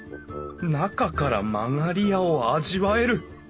中から曲り家を味わえる。